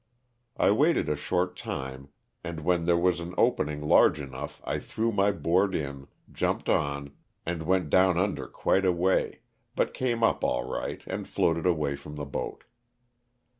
J waitod a nhort timo and whon thoro wan an ()p<in\n'^ largo on ugh i tijrow my hoard in, jumpod on and wont down und^jr qui to a way, hut oamo up all right and floatod away from tho hoat.